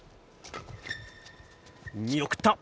見送った。